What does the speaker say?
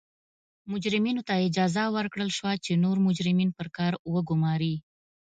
مجرمینو ته اجازه ورکړل شوه چې نور مجرمین پر کار وګوماري.